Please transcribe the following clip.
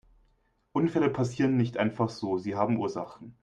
Unfälle passieren nicht einfach so, sie haben Ursachen.